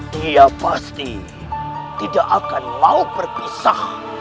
dia pasti tidak akan mau berpisah